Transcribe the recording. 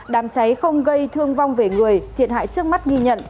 đám cháy không gây thương vong về người thiệt hại trước mắt ghi nhận